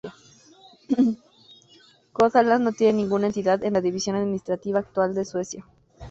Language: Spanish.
Götaland no tiene ninguna entidad en la división administrativa actual de Suecia.